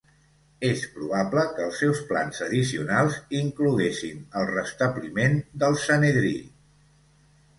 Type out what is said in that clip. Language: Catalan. És probable que els seus plans addicionals incloguessin el restabliment del Sanedrí.